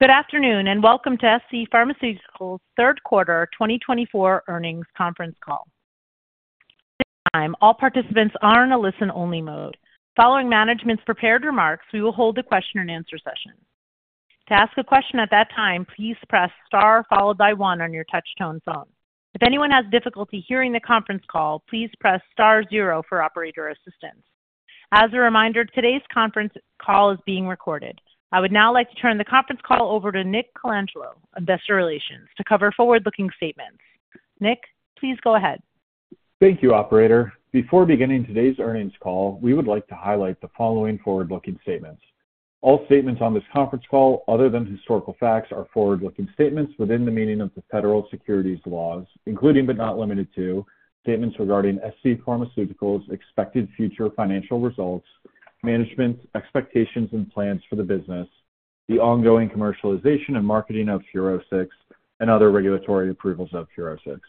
Good afternoon and welcome to scPharmaceuticals' third quarter 2024 earnings conference call. At this time, all participants are in a listen-only mode. Following management's prepared remarks, we will hold the question-and-answer session. To ask a question at that time, please press star followed by one on your touch-tone phone. If anyone has difficulty hearing the conference call, please press star zero for operator assistance. As a reminder, today's conference call is being recorded. I would now like to turn the conference call over to Nick Colangelo, Investor Relations, to cover forward-looking statements. Nick, please go ahead. Thank you, Operator. Before beginning today's earnings call, we would like to highlight the following forward-looking statements. All statements on this conference call, other than historical facts, are forward-looking statements within the meaning of the federal securities laws, including but not limited to statements regarding scPharmaceuticals' expected future financial results, management expectations and plans for the business, the ongoing commercialization and marketing of Furoscix, and other regulatory approvals of Furoscix.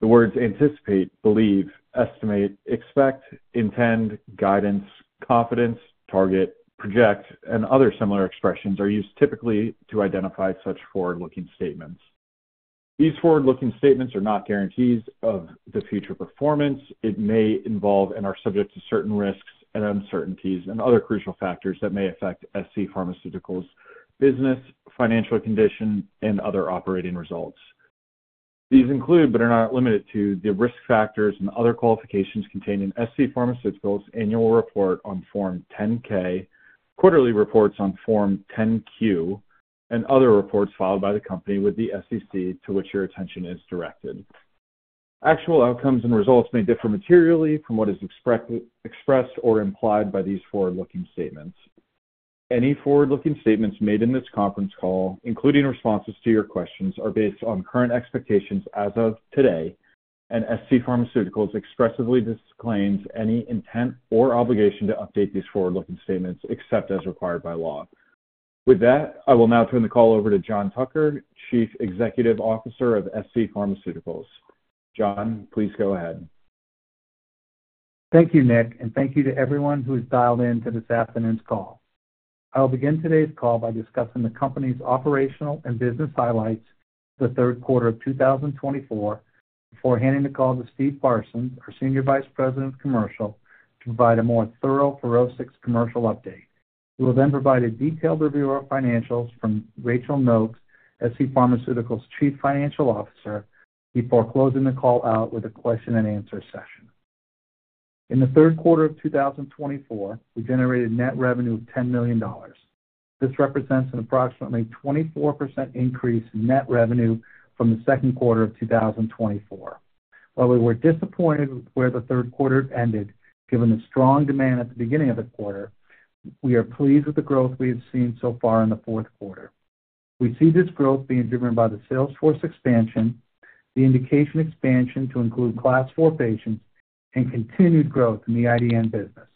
The words anticipate, believe, estimate, expect, intend, guidance, confidence, target, project, and other similar expressions are used typically to identify such forward-looking statements. These forward-looking statements are not guarantees of the future performance. It may involve and are subject to certain risks and uncertainties and other crucial factors that may affect scPharmaceuticals' business, financial condition, and other operating results. These include but are not limited to the risk factors and other qualifications contained in scPharmaceuticals' annual report on Form 10-K, quarterly reports on Form 10-Q, and other reports filed by the company with the SEC to which your attention is directed. Actual outcomes and results may differ materially from what is expressed or implied by these forward-looking statements. Any forward-looking statements made in this conference call, including responses to your questions, are based on current expectations as of today, and scPharmaceuticals expressly disclaims any intent or obligation to update these forward-looking statements except as required by law. With that, I will now turn the call over to John Tucker, Chief Executive Officer of scPharmaceuticals. John, please go ahead. Thank you, Nick, and thank you to everyone who has dialed in to this afternoon's call. I'll begin today's call by discussing the company's operational and business highlights for the third quarter of 2024 before handing the call to Steve Parsons, our Senior Vice President of Commercial, to provide a more thorough Furoscix commercial update. We will then provide a detailed review of financials from Rachael Nokes, scPharmaceuticals' Chief Financial Officer, before closing the call out with a question-and-answer session. In the third quarter of 2024, we generated net revenue of $10 million. This represents an approximately 24% increase in net revenue from the second quarter of 2024. While we were disappointed with where the third quarter ended, given the strong demand at the beginning of the quarter, we are pleased with the growth we have seen so far in the fourth quarter. We see this growth being driven by the sales force expansion, the indication expansion to include Class IV patients, and continued growth in the IDN business.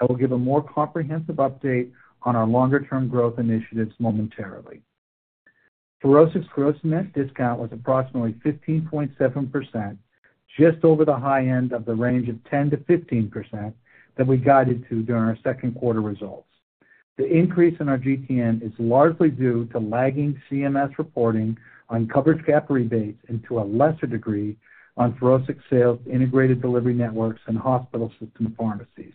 I will give a more comprehensive update on our longer-term growth initiatives momentarily. Furoscix gross-to-net discount was approximately 15.7%, just over the high end of the range of 10%-15% that we guided to during our second quarter results. The increase in our GTN is largely due to lagging CMS reporting on coverage gap rebates and, to a lesser degree, on Furoscix sales integrated delivery networks and hospital system pharmacies.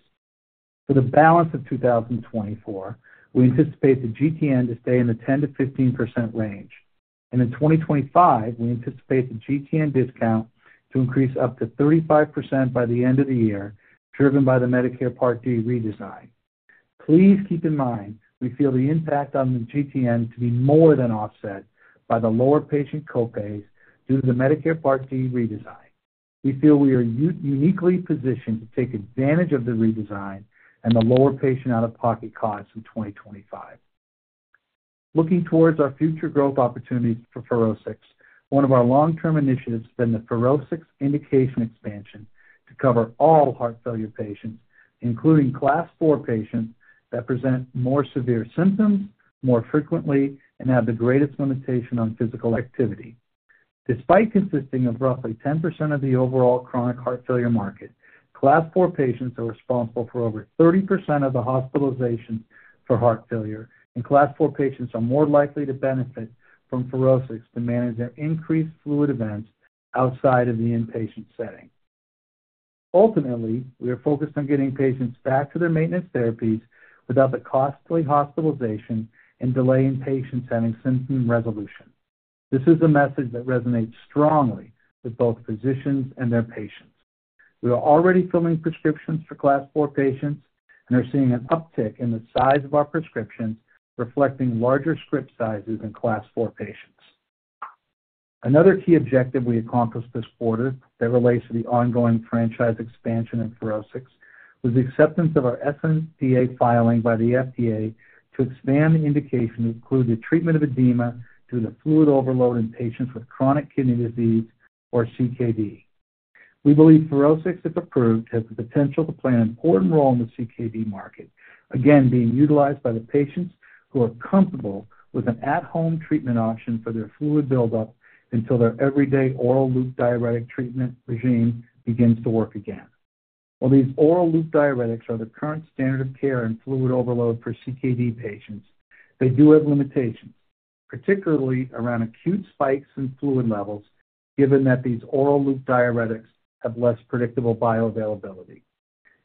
For the balance of 2024, we anticipate the GTN to stay in the 10%-15% range. And in 2025, we anticipate the GTN discount to increase up to 35% by the end of the year, driven by the Medicare Part D redesign. Please keep in mind we feel the impact on the GTN to be more than offset by the lower patient copays due to the Medicare Part D redesign. We feel we are uniquely positioned to take advantage of the redesign and the lower patient out-of-pocket costs in 2025. Looking towards our future growth opportunities for Furoscix, one of our long-term initiatives has been the Furoscix indication expansion to cover all heart failure patients. Including Class IV patients that present more severe symptoms, more frequently, and have the greatest limitation on physical activity. Despite consisting of roughly 10% of the overall chronic heart failure market, Class IV patients are responsible for over 30% of the hospitalizations for heart failure, and Class IV patients are more likely to benefit from Furoscix to manage their increased fluid events outside of the inpatient setting. Ultimately, we are focused on getting patients back to their maintenance therapies without the costly hospitalization and delaying patients having symptom resolution. This is a message that resonates strongly with both physicians and their patients. We are already filling prescriptions for Class IV patients and are seeing an uptick in the size of our prescriptions, reflecting larger script sizes in Class IV patients. Another key objective we accomplished this quarter that relates to the ongoing franchise expansion of Furoscix was the acceptance of our sNDA filing by the FDA to expand the indication to include the treatment of edema due to fluid overload in patients with chronic kidney disease or CKD. We believe Furoscix, if approved, has the potential to play an important role in the CKD market. Again being utilized by the patients who are comfortable with an at-home treatment option for their fluid buildup until their everyday oral loop diuretic treatment regimen begins to work again. While these oral loop diuretics are the current standard of care in fluid overload for CKD patients, they do have limitations, particularly around acute spikes in fluid levels, given that these oral loop diuretics have less predictable bioavailability.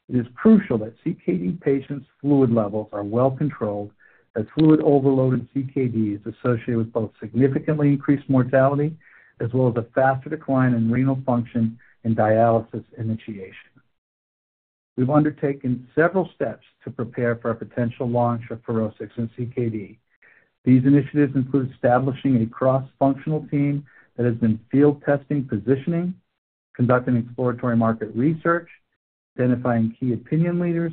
It is crucial that CKD patients' fluid levels are well controlled, as fluid overload in CKD is associated with both significantly increased mortality as well as a faster decline in renal function and dialysis initiation. We've undertaken several steps to prepare for a potential launch of Furoscix in CKD. These initiatives include establishing a cross-functional team that has been field testing positioning, conducting exploratory market research, identifying key opinion leaders,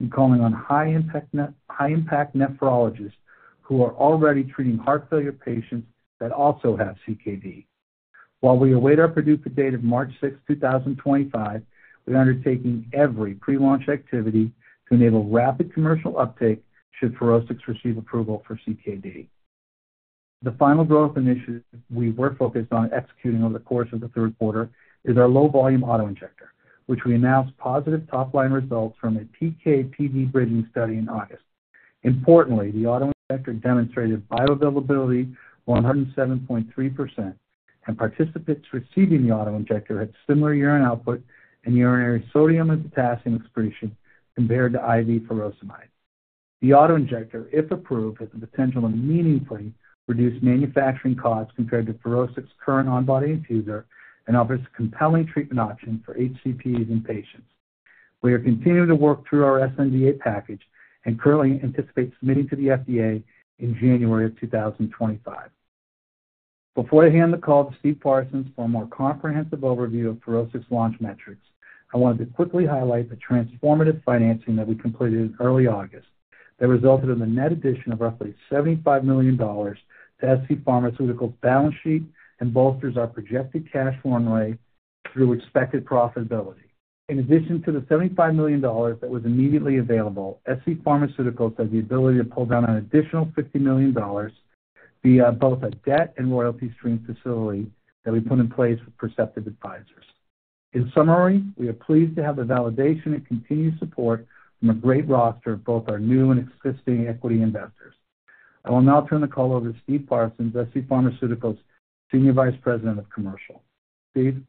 and calling on high-impact nephrologists who are already treating heart failure patients that also have CKD. While we await our PDUFA date of March 6, 2025, we are undertaking every pre-launch activity to enable rapid commercial uptake should Furoscix receive approval for CKD. The final growth initiative we were focused on executing over the course of the third quarter is our low-volume autoinjector, which we announced positive top-line results from a PK/PD bridging study in August. Importantly, the autoinjector demonstrated bioavailability of 107.3%, and participants receiving the autoinjector had similar urine output and urinary sodium and potassium excretion compared to IV furosemide. The autoinjector, if approved, has the potential to meaningfully reduce manufacturing costs compared to Furoscix's current on-body infusor and offers a compelling treatment option for HCPs and patients. We are continuing to work through our sNDA package and currently anticipate submitting to the FDA in January of 2025. Before I hand the call to Steve Parsons for a more comprehensive overview of Furoscix launch metrics, I wanted to quickly highlight the transformative financing that we completed in early August. That resulted in the net addition of roughly $75 million to scPharmaceuticals' balance sheet and bolsters our projected cash flow runway through expected profitability. In addition to the $75 million that was immediately available, scPharmaceuticals has the ability to pull down an additional $50 million via both a debt and royalty stream facility that we put in place with Perceptive Advisors. In summary, we are pleased to have the validation and continued support from a great roster of both our new and existing equity investors. I will now turn the call over to Steve Parsons, scPharmaceuticals Senior Vice President of Commercial. Steve?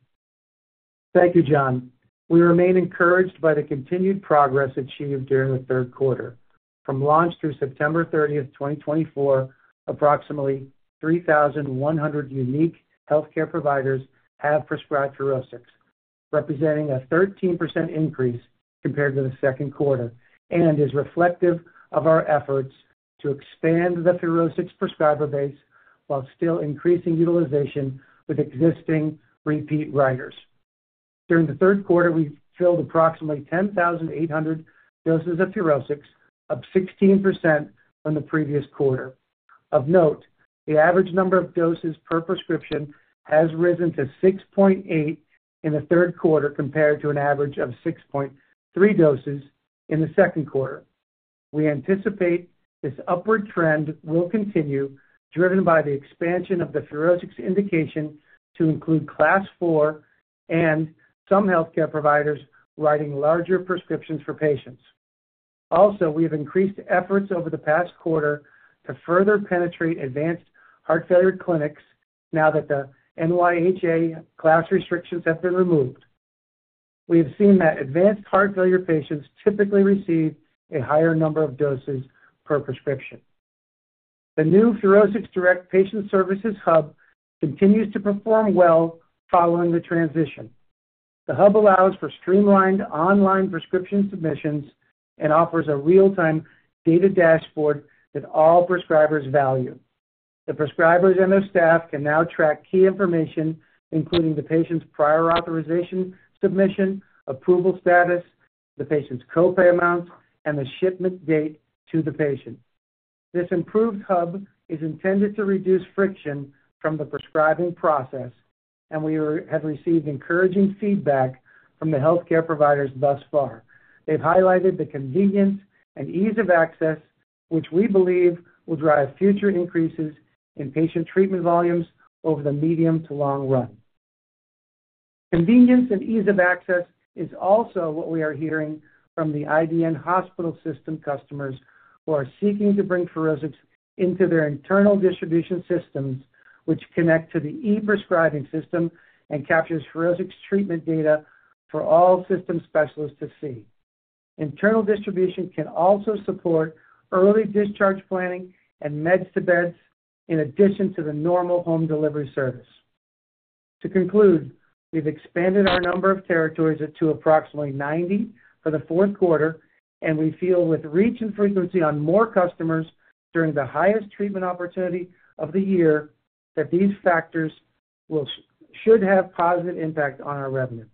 Thank you, John. We remain encouraged by the continued progress achieved during the third quarter. From launch through September 30, 2024, approximately 3,100 unique healthcare providers have prescribed Furoscix, representing a 13% increase compared to the second quarter and is reflective of our efforts to expand the Furoscix prescriber base while still increasing utilization with existing repeat writers. During the third quarter, we filled approximately 10,800 doses of Furoscix, up 16% from the previous quarter. Of note, the average number of doses per prescription has risen to 6.8 in the third quarter compared to an average of 6.3 doses in the second quarter. We anticipate this upward trend will continue, driven by the expansion of the Furoscix indication to include Class IV and some healthcare providers writing larger prescriptions for patients. Also, we have increased efforts over the past quarter to further penetrate advanced heart failure clinics now that the NYHA class restrictions have been removed. We have seen that advanced heart failure patients typically receive a higher number of doses per prescription. The new Furoscix Direct Patient Services Hub continues to perform well following the transition. The Hub allows for streamlined online prescription submissions and offers a real-time data dashboard that all prescribers value. The prescribers and their staff can now track key information, including the patient's prior authorization submission, approval status, the patient's copay amounts, and the shipment date to the patient. This improved Hub is intended to reduce friction from the prescribing process, and we have received encouraging feedback from the healthcare providers thus far. They've highlighted the convenience and ease of access, which we believe will drive future increases in patient treatment volumes over the medium to long run. Convenience and ease of access is also what we are hearing from the IDN hospital system customers who are seeking to bring Furoscix into their internal distribution systems. Which connect to the e-prescribing system and captures Furoscix treatment data for all system specialists to see. Internal distribution can also support early discharge planning and meds-to-beds in addition to the normal home delivery service. To conclude, we've expanded our number of territories to approximately 90 for the fourth quarter, and we feel with reach and frequency on more customers during the highest treatment opportunity of the year that these factors should have a positive impact on our revenue.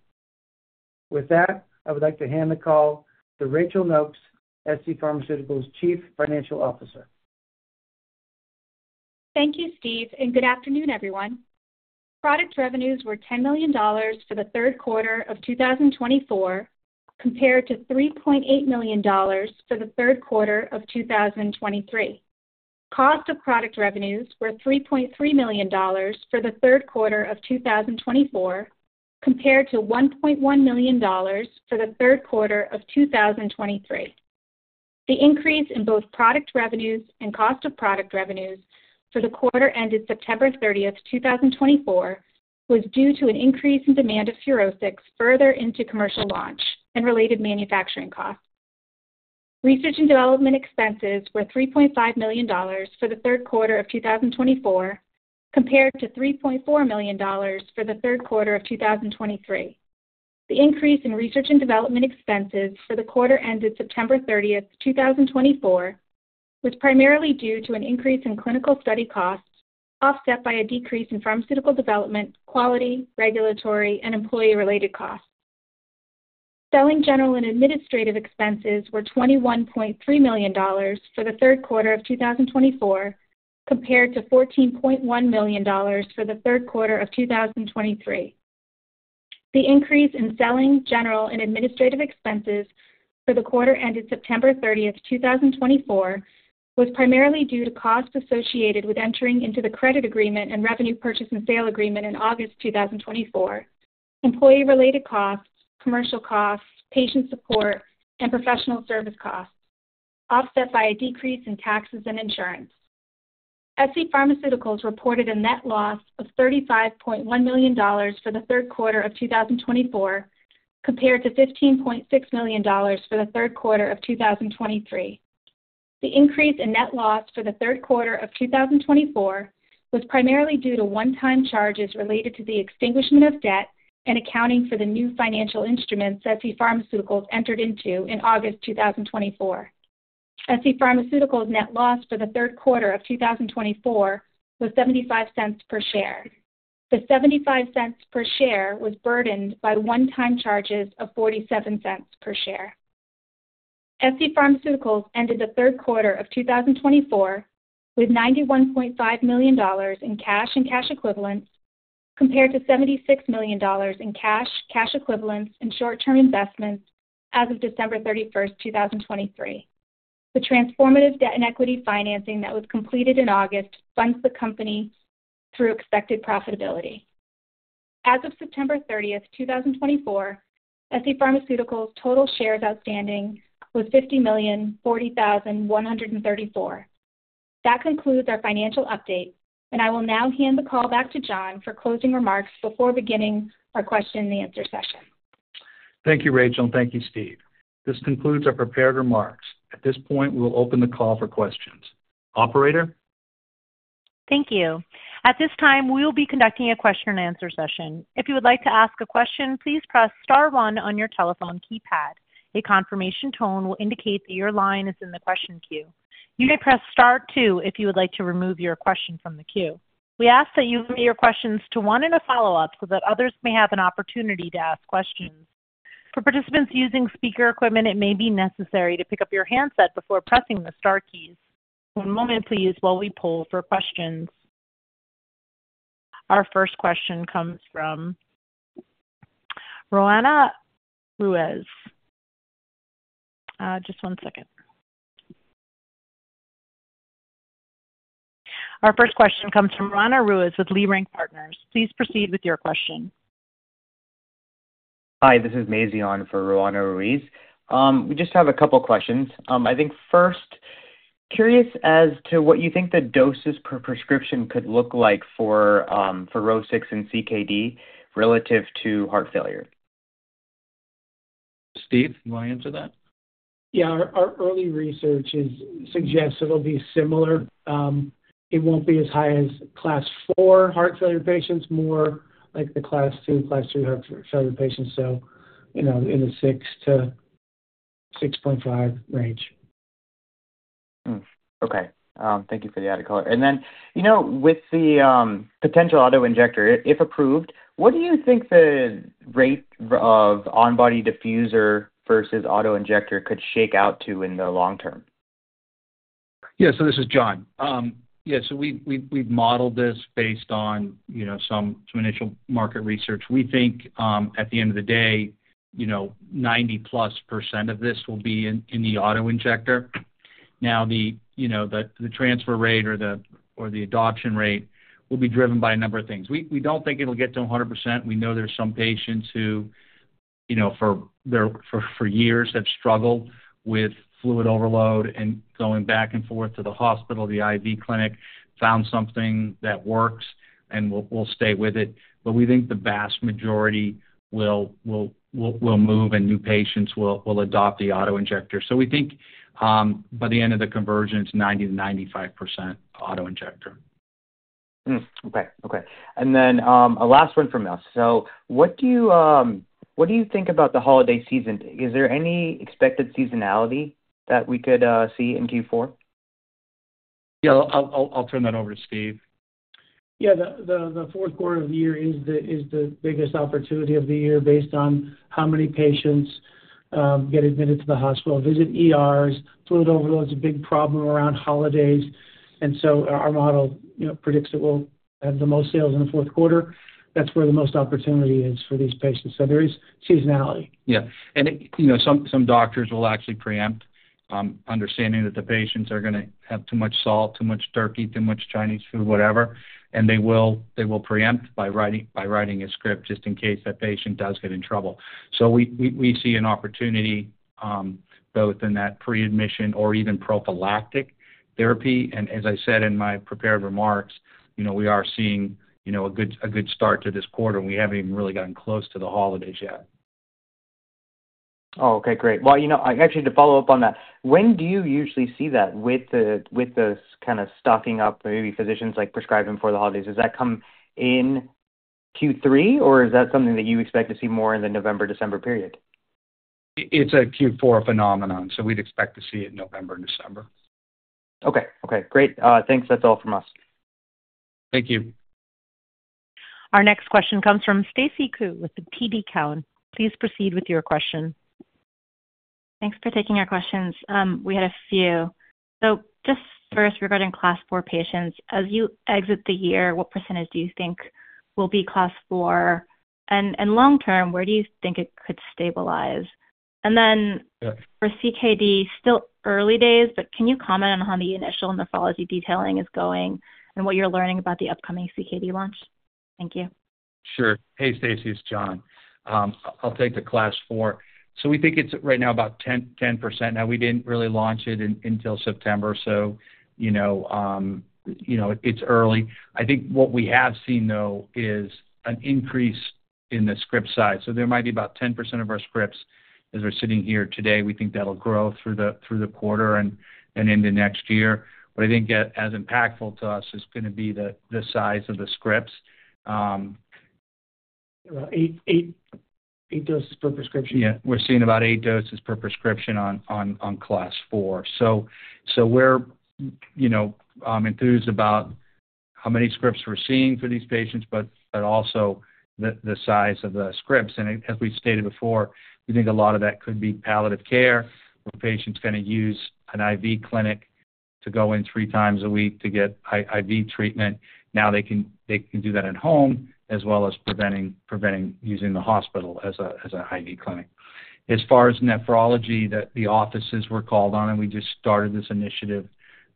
With that, I would like to hand the call to Rachael Nokes, scPharmaceuticals Chief Financial Officer. Thank you, Steve, and good afternoon, everyone. Product revenues were $10 million for the third quarter of 2024 compared to $3.8 million for the third quarter of 2023. Cost of product revenues were $3.3 million for the third quarter of 2024 compared to $1.1 million for the third quarter of 2023. The increase in both product revenues and cost of product revenues for the quarter ended September 30th, 2024, was due to an increase in demand of Furoscix further into commercial launch and related manufacturing costs. Research and development expenses were $3.5 million for the third quarter of 2024 compared to $3.4 million for the third quarter of 2023. The increase in research and development expenses for the quarter ended September 30th, 2024, was primarily due to an increase in clinical study costs offset by a decrease in pharmaceutical development, quality, regulatory, and employee-related costs. Selling, general, and administrative expenses were $21.3 million for the third quarter of 2024 compared to $14.1 million for the third quarter of 2023. The increase in selling, general, and administrative expenses for the quarter ended September 30th, 2024, was primarily due to costs associated with entering into the credit agreement and revenue purchase and sale agreement in August 2024, employee-related costs, commercial costs, patient support, and professional service costs, offset by a decrease in taxes and insurance. scPharmaceuticals reported a net loss of $35.1 million for the third quarter of 2024 compared to $15.6 million for the third quarter of 2023. The increase in net loss for the third quarter of 2024 was primarily due to one-time charges related to the extinguishment of debt and accounting for the new financial instruments scPharmaceuticals entered into in August 2024. scPharmaceuticals' net loss for the third quarter of 2024 was $0.75 per share. The $0.75 per share was burdened by one-time charges of $0.47 per share. scPharmaceuticals ended the third quarter of 2024 with $91.5 million in cash and cash equivalents compared to $76 million in cash, cash equivalents, and short-term investments as of December 31st, 2023. The transformative debt and equity financing that was completed in August funds the company through expected profitability. As of September 30th, 2024, scPharmaceuticals' total shares outstanding was 50,040,134. That concludes our financial update, and I will now hand the call back to John for closing remarks before beginning our question-and-answer session. Thank you, Rachael. Thank you, Steve. This concludes our prepared remarks. At this point, we'll open the call for questions. Operator? Thank you. At this time, we'll be conducting a question-and-answer session. If you would like to ask a question, please press Star 1 on your telephone keypad. A confirmation tone will indicate that your line is in the question queue. You may press Star two if you would like to remove your question from the queue. We ask that you leave your questions to one in a follow-up so that others may have an opportunity to ask questions. For participants using speaker equipment, it may be necessary to pick up your handset before pressing the Star keys. One moment, please, while we poll for questions. Our first question comes from Roanna Ruiz. Just one second. Our first question comes from Roanna Ruiz with Leerink Partners. Please proceed with your question. Hi, this is Mazen Al-Jafari for Roanna Ruiz. We just have a couple of questions. I think first, curious as to what you think the doses per prescription could look like for Furoscix and CKD relative to heart failure? Steve, you want to answer that? Yeah. Our early research suggests it'll be similar. It won't be as high as Class IV heart failure patients, more like the Class II, Class III heart failure patients, so in the 6 to 6.5 range. Okay. Thank you for the added color. And then with the potential autoinjector, if approved, what do you think the rate of on-body infusor versus autoinjector could shake out to in the long term? Yeah. So this is John. Yeah. So we've modeled this based on some initial market research. We think at the end of the day, 90+% of this will be in the autoinjector. Now, the transfer rate or the adoption rate will be driven by a number of things. We don't think it'll get to 100%. We know there's some patients who for years have struggled with fluid overload and going back and forth to the hospital, the IV clinic, found something that works and will stay with it. But we think the vast majority will move and new patients will adopt the autoinjector. So we think by the end of the convergence, 90%-95% autoinjector. Okay. And then a last one from us. So what do you think about the holiday season? Is there any expected seasonality that we could see in Q4? Yeah. I'll turn that over to Steve. Yeah. The fourth quarter of the year is the biggest opportunity of the year based on how many patients get admitted to the hospital, visit ERs. Fluid overload is a big problem around holidays. And so our model predicts that we'll have the most sales in the fourth quarter. That's where the most opportunity is for these patients. So there is seasonality. Yeah. And some doctors will actually preempt, understanding that the patients are going to have too much salt, too much turkey, too much Chinese food, whatever, and they will preempt by writing a script just in case that patient does get in trouble, so we see an opportunity both in that pre-admission or even prophylactic therapy, and as I said in my prepared remarks, we are seeing a good start to this quarter, and we haven't even really gotten close to the holidays yet. Oh, okay. Great. Well, actually, to follow up on that, when do you usually see that with this kind of stocking up, maybe physicians prescribing for the holidays? Does that come in Q3, or is that something that you expect to see more in the November, December period? It's a Q4 phenomenon, so we'd expect to see it in November and December. Okay. Okay. Great. Thanks. That's all from us. Thank you. Our next question comes from Stacy Ku with the TD Cowen. Please proceed with your question. Thanks for taking our questions. We had a few, so just first, regarding Class IV patients, as you exit the year, what percentage do you think will be Class IV, and long term, where do you think it could stabilize, and then for CKD, still early days, but can you comment on how the initial nephrology detailing is going and what you're learning about the upcoming CKD launch? Thank you. Sure. Hey, Stacy. It's John. I'll take the Class IV. So we think it's right now about 10%. Now, we didn't really launch it until September, so it's early. I think what we have seen, though, is an increase in the script size. So there might be about 10% of our scripts as we're sitting here today. We think that'll grow through the quarter and into next year. But I think as impactful to us is going to be the size of the scripts. About eight doses per prescription. Yeah. We're seeing about eight doses per prescription on Class IV. So we're enthused about how many scripts we're seeing for these patients, but also the size of the scripts. And as we stated before, we think a lot of that could be palliative care where patients can use an IV clinic to go in three times a week to get IV treatment. Now they can do that at home as well as preventing using the hospital as an IV clinic. As far as nephrology, the offices were called on, and we just started this initiative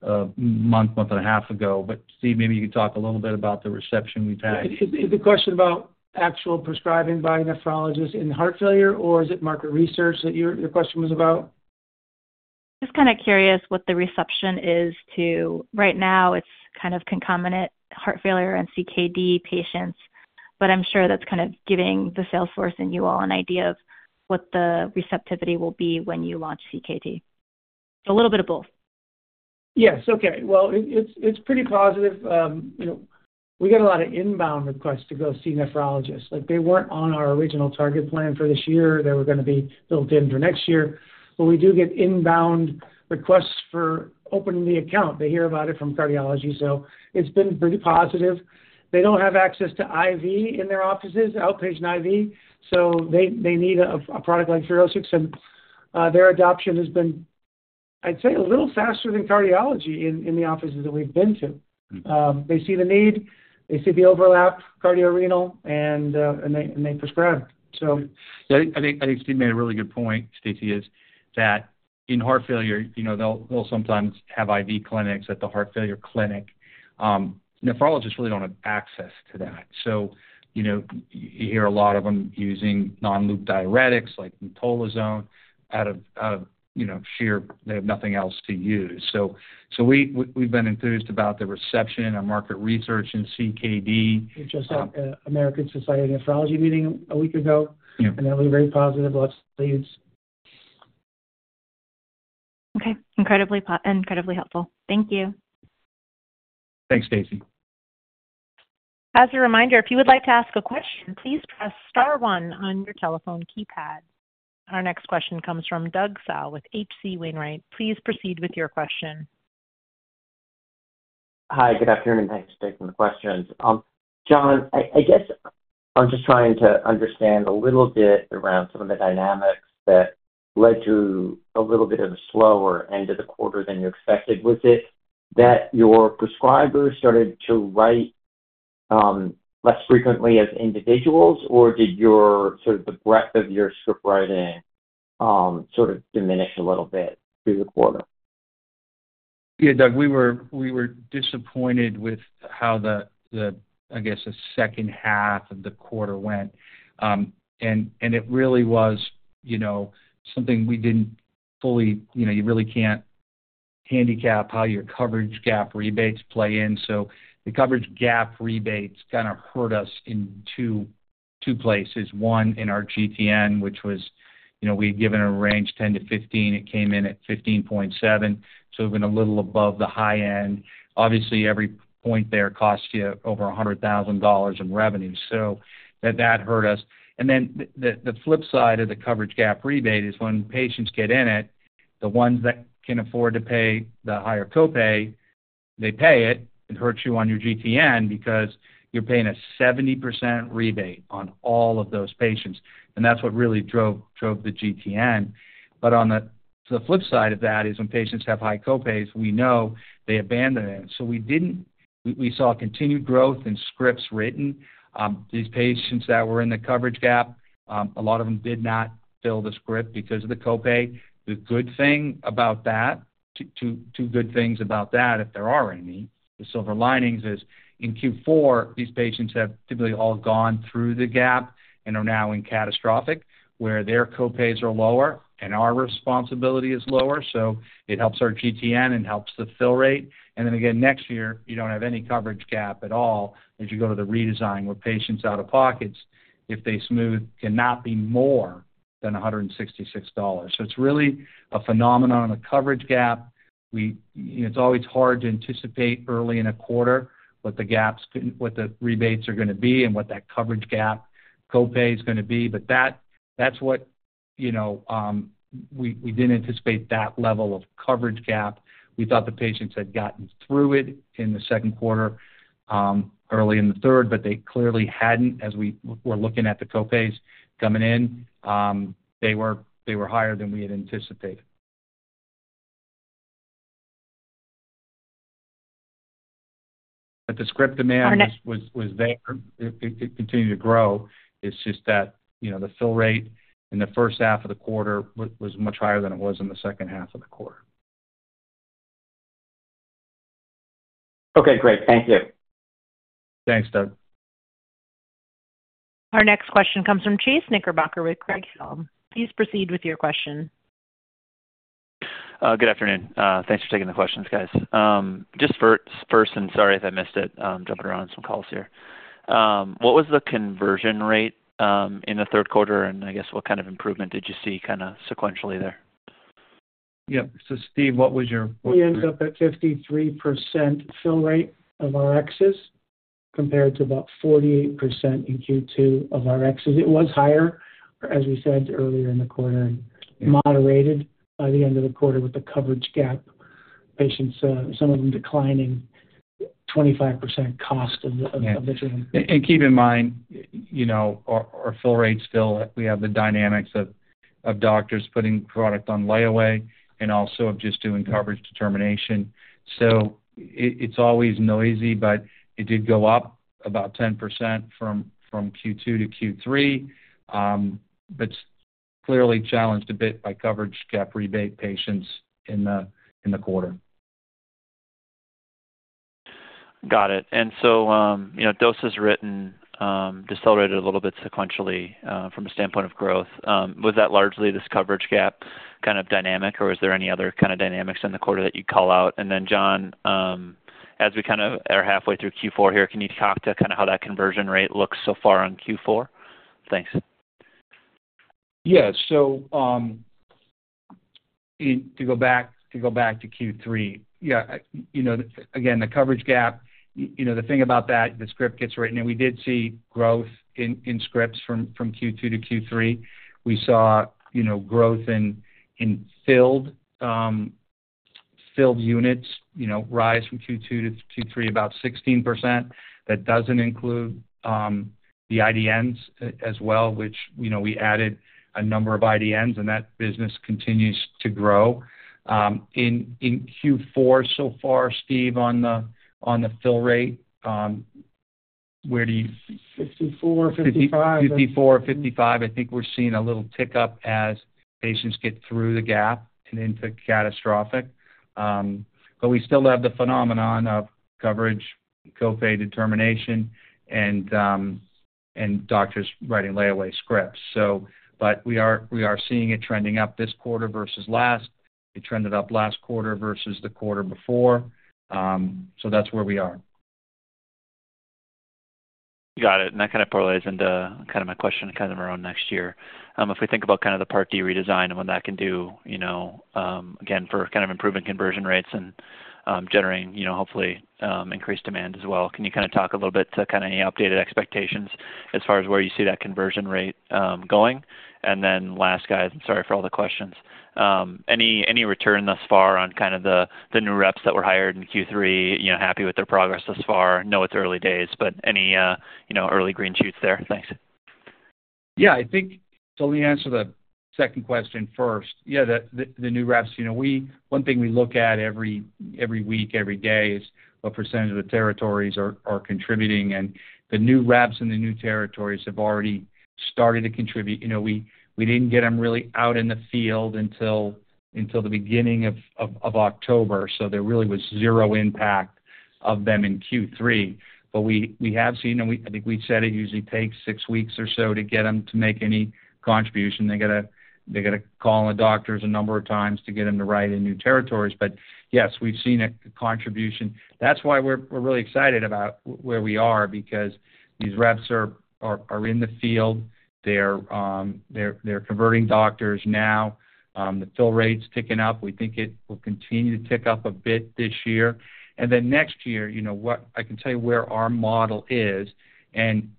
a month, month and a half ago. But Steve, maybe you could talk a little bit about the reception we've had. Is the question about actual prescribing by nephrologists in heart failure, or is it market research that your question was about? Just kind of curious what the reception is to right now? It's kind of concomitant heart failure and CKD patients, but I'm sure that's kind of giving the sales force and you all an idea of what the receptivity will be when you launch CKD? A little bit of both. Yes. Okay. Well, it's pretty positive. We got a lot of inbound requests to go see nephrologists. They weren't on our original target plan for this year. They were going to be built in for next year. But we do get inbound requests for opening the account. They hear about it from cardiology. So it's been pretty positive. They don't have access to IV in their offices, outpatient IV, so they need a product like Furoscix. And their adoption has been, I'd say, a little faster than cardiology in the offices that we've been to. They see the need. They see the overlap, cardiorenal, and they prescribe. Yeah. I think Steve made a really good point, Stacy, is that in heart failure, they'll sometimes have IV clinics at the heart failure clinic. Nephrologists really don't have access to that. So you hear a lot of them using non-loop diuretics like metolazone out of sheer they have nothing else to use. So we've been enthused about the reception and market research in CKD. We just had American Society of Nephrology meeting a week ago, and that was very positive. Lots of leads. Okay. Incredibly helpful. Thank you. Thanks, Stacy. As a reminder, if you would like to ask a question, please press star one on your telephone keypad. Our next question comes from Doug Tsao with H.C. Wainwright. Please proceed with your question. Hi. Good afternoon. Thanks for taking the questions. John, I guess I'm just trying to understand a little bit around some of the dynamics that led to a little bit of a slower end of the quarter than you expected. Was it that your prescribers started to write less frequently as individuals, or did sort of the breadth of your script writing sort of diminish a little bit through the quarter? Yeah, Doug, we were disappointed with how the, I guess, the second half of the quarter went. And it really was something we didn't fully, you really can't handicap how your coverage gap rebates play in. So the coverage gap rebates kind of hurt us in two places. One, in our GTN, which was, we had given a range 10%-15%. It came in at 15.7%. So it went a little above the high end. Obviously, every point there costs you over $100,000 in revenue. So that hurt us. And then the flip side of the coverage gap rebate is when patients get in it, the ones that can afford to pay the higher copay, they pay it. It hurts you on your GTN because you're paying a 70% rebate on all of those patients. And that's what really drove the GTN. But on the flip side of that is when patients have high copays, we know they abandon it. So we saw continued growth in scripts written. These patients that were in the coverage gap, a lot of them did not fill the script because of the copay. The good thing about that, two good things about that, if there are any, the silver linings is in Q4, these patients have typically all gone through the gap and are now in catastrophic where their copays are lower and our responsibility is lower. So it helps our GTN and helps the fill rate. And then again, next year, you don't have any coverage gap at all. As you go to the redesign where patients out of pockets, if they smooth, cannot be more than $166. So it's really a phenomenon on the coverage gap. It's always hard to anticipate early in a quarter what the rebates are going to be and what that coverage gap copay is going to be. But that's what we didn't anticipate that level of coverage gap. We thought the patients had gotten through it in the second quarter, early in the third, but they clearly hadn't as we were looking at the copays coming in. They were higher than we had anticipated. But the script demand was there. It continued to grow. It's just that the fill rate in the first half of the quarter was much higher than it was in the second half of the quarter. Okay. Great. Thank you. Thanks, Doug. Our next question comes from Chase Knickerbocker with Craig-Hallum. Please proceed with your question. Good afternoon. Thanks for taking the questions, guys. Just first, and sorry if I missed it, jumping around on some calls here. What was the conversion rate in the third quarter? And I guess what kind of improvement did you see kind of sequentially there? Yeah. So Steve, what was your? We ended up at 53% fill rate of our Rx's compared to about 48% in Q2 of our Rx's. It was higher, as we said earlier in the quarter, and moderated by the end of the quarter with the coverage gap, some of them declining 25% cost of the gap. Keep in mind, our fill rate still, we have the dynamics of doctors putting product on layaway and also of just doing coverage determination. So it's always noisy, but it did go up about 10% from Q2 to Q3, but clearly challenged a bit by coverage gap rebate patients in the quarter. Got it. And so doses written, decelerated a little bit sequentially from a standpoint of growth. Was that largely this coverage gap kind of dynamic, or was there any other kind of dynamics in the quarter that you'd call out? And then John, as we kind of are halfway through Q4 here, can you talk to kind of how that conversion rate looks so far on Q4? Thanks. Yeah. So to go back to Q3, yeah, again, the coverage gap, the thing about that, the script gets written. And we did see growth in scripts from Q2 to Q3. We saw growth in filled units rise from Q2 to Q3 about 16%. That doesn't include the IDNs as well, which we added a number of IDNs, and that business continues to grow. In Q4 so far, Steve, on the fill rate, where do you? 54, 55. 54, 55. I think we're seeing a little tick up as patients get through the gap and into catastrophic. But we still have the phenomenon of coverage, copay determination, and doctors writing layaway scripts. But we are seeing it trending up this quarter versus last. It trended up last quarter versus the quarter before. So that's where we are. Got it. And that kind of parlays into kind of my question kind of around next year. If we think about kind of the Part D redesign and what that can do, again, for kind of improving conversion rates and generating hopefully increased demand as well, can you kind of talk a little bit to kind of any updated expectations as far as where you see that conversion rate going? And then last, guys, and sorry for all the questions. Any return thus far on kind of the new reps that were hired in Q3? Happy with their progress thus far? Know it's early days, but any early green shoots there? Thanks. Yeah. I think so. Let me answer the second question first. Yeah, the new reps. One thing we look at every week, every day is what percentage of the territories are contributing, and the new reps in the new territories have already started to contribute. We didn't get them really out in the field until the beginning of October. So there really was zero impact of them in Q3, but we have seen, and I think we said it usually takes six weeks or so to get them to make any contribution. They got to call on the doctors a number of times to get them to write in new territories, but yes, we've seen a contribution. That's why we're really excited about where we are because these reps are in the field. They're converting doctors now. The fill rate's ticking up. We think it will continue to tick up a bit this year, and then next year, I can tell you where our model is, and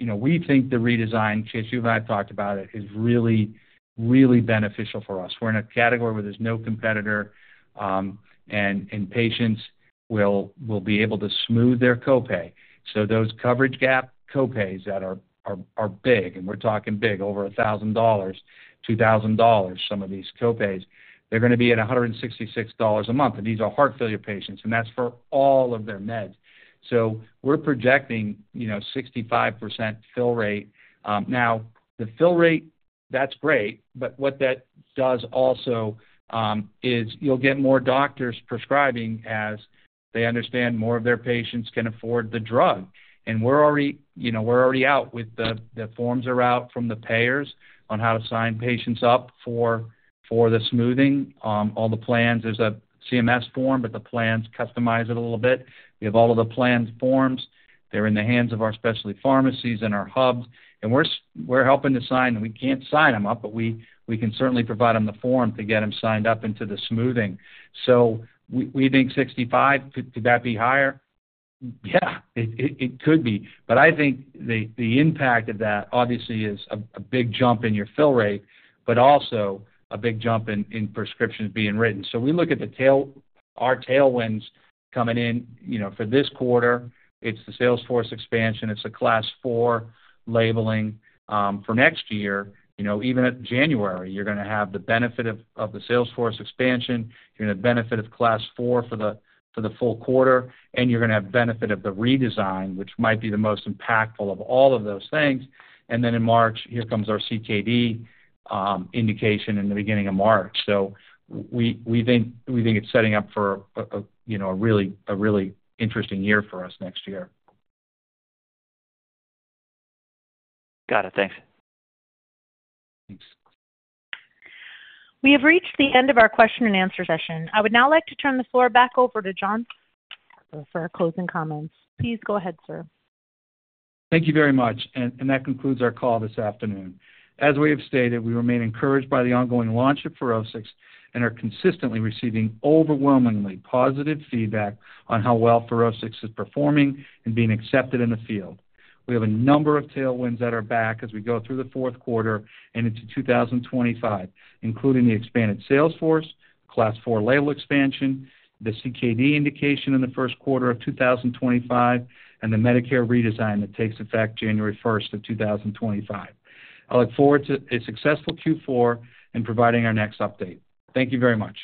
we think the redesign, Chase, you and I have talked about it, is really, really beneficial for us. We're in a category where there's no competitor, and patients will be able to smooth their copay, so those coverage gap copays that are big, and we're talking big, over $1,000, $2,000, some of these copays, they're going to be at $166 a month, and these are heart failure patients, and that's for all of their meds, so we're projecting 65% fill rate. Now, the fill rate, that's great, but what that does also is you'll get more doctors prescribing as they understand more of their patients can afford the drug. And we're already out with the forms that are out from the payers on how to sign patients up for the smoothing. All the plans, there's a CMS form, but the plans customize it a little bit. We have all of the plan forms. They're in the hands of our specialty pharmacies and our hubs. And we're helping to sign. We can't sign them up, but we can certainly provide them the form to get them signed up into the smoothing. So we think 65%, could that be higher? Yeah, it could be. But I think the impact of that obviously is a big jump in your fill rate, but also a big jump in prescriptions being written. So we look at our tailwinds coming in for this quarter. It's the sales force expansion. It's a Class IV labeling. For next year, even in January, you're going to have the benefit of the Salesforce expansion. You're going to have benefit of Class IV for the full quarter. And you're going to have benefit of the redesign, which might be the most impactful of all of those things. And then in March, here comes our CKD indication in the beginning of March. So we think it's setting up for a really interesting year for us next year. Got it. Thanks. Thanks. We have reached the end of our question and answer session. I would now like to turn the floor back over to John for closing comments. Please go ahead, sir. Thank you very much. And that concludes our call this afternoon. As we have stated, we remain encouraged by the ongoing launch of Furoscix and are consistently receiving overwhelmingly positive feedback on how well Furoscix is performing and being accepted in the field. We have a number of tailwinds that are back as we go through the fourth quarter, and it's in 2025, including the expanded Salesforce, Class 4 label expansion, the CKD indication in the first quarter of 2025, and the Medicare redesign that takes effect January 1st of 2025. I look forward to a successful Q4 and providing our next update. Thank you very much.